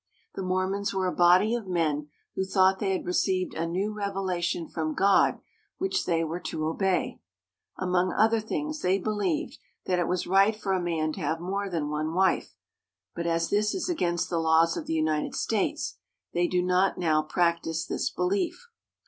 The Mormons w^ere a body of men who thought they had received a new revelation from God which they were to obey. Among other things, they believed that it was right for a man to have more than one wife; but as this is against the laws of the United States, they do not now^ practice this belief.